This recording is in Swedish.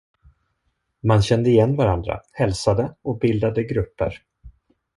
Man kände igen varandra, hälsade och bildade grupper.